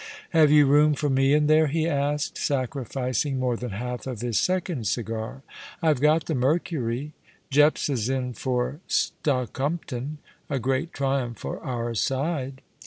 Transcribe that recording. " Have you room for me in there ?*' he asked, sacrificing more than half of his second cigar. " I've got the Mercury —• Jepps is in for Stokumpton — a great triumph for our side."